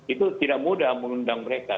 itu tidak mudah mengundang mereka